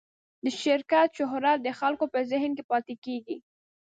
د شرکت شهرت د خلکو په ذهن کې پاتې کېږي.